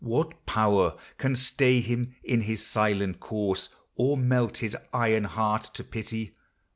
— what power Can stay him in his silent course, or melt His iron heart to pity